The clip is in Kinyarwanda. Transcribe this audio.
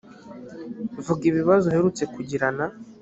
vuga ibibazo uherutse kugirana